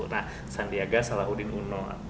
nah sandiaga salahuddin uno